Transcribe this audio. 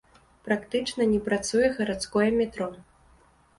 Практычна не працуе гарадское метро.